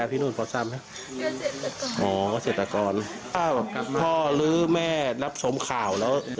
เพื่อนครับ